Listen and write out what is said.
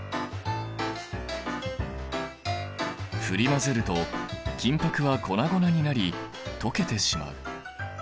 振り混ぜると金ぱくは粉々になり溶けてしまう。